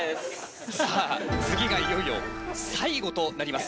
さあ次がいよいよ最後となります。